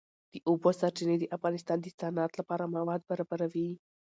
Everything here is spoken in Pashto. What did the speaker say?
د اوبو سرچینې د افغانستان د صنعت لپاره مواد برابروي.